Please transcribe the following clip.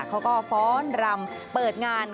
เขาก็ฟ้อนรำเปิดงาน